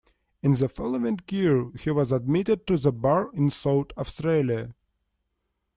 In the following year he was admitted to the Bar in South Australia.